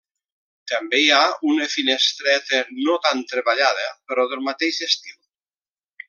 També hi ha una finestreta no tan treballada però del mateix estil.